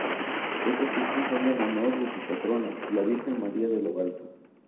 Estas fiestas son en honor de su patrona, la Virgen María de lo Alto.